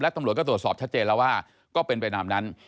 ตำรวจก็ตรวจสอบชัดเจนแล้วว่าก็เป็นไปตามนั้น